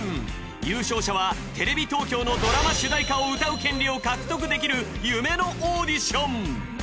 優勝者はテレビ東京のドラマ主題歌を歌う権利を獲得できる夢のオーディション。